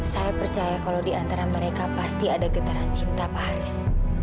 saya percaya kalau di antara mereka pasti ada getaran cinta pak haris